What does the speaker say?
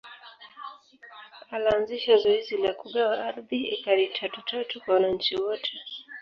Alanzisha zoezi la kugawa ardhi ekari tatu tatu kwa wananchi wote